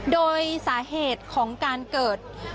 โดยสาเหตุของการเกิด